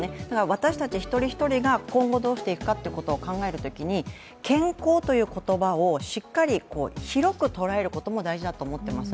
私たち一人一人が今後どうしていくかということを考えるときに健康という言葉をしっかり広く捉えることも大事だと思ってます。